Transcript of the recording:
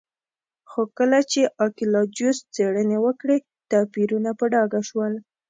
خو کله چې ارکيالوجېسټ څېړنې وکړې توپیرونه په ډاګه شول